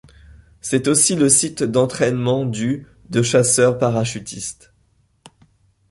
C’est aussi le site d’entrainement du de chasseurs parachutistes.